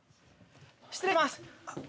失礼します。